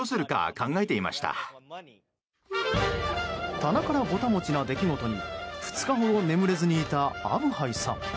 棚からぼた餅な出来事に２日ほど眠れずにいたアブハイさん。